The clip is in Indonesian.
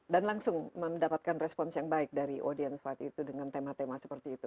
dan langsung mendapatkan respons yang baik dari audience waktu itu dengan tema tema seperti itu